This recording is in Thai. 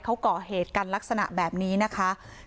เขาก่อเหตุกันลักษณะแบบนี้นะคะ